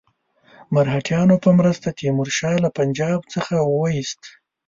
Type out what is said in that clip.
مرهټیانو په مرسته تیمور شاه له پنجاب څخه وایست.